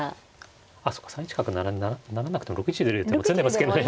あっそうか３一角成らなくても６一竜でもう詰んでますけどね。